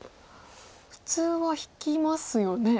普通は引きますよね。